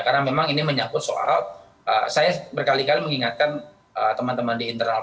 karena memang ini menyambut soal saya berkali kali mengingatkan teman teman di internasional